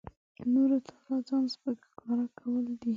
نورو ته لا ځان سپک ښکاره کول دي.